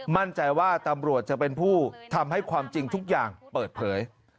มั่นใจว่าตำรวจจะเป็นผู้ทำให้ความจริงทุกอย่างเปิดเผย